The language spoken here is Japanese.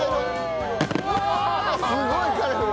すごいカラフル！